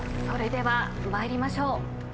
それでは参りましょう。